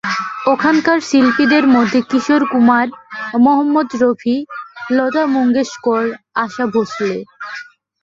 ওখানকার শিল্পীদের মধ্যে কিশোর কুমার, মোহাম্মদ রফি, লতা মুঙ্গেশকর, আশা ভোঁশলে।